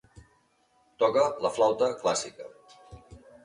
Toca la flauta clàssica.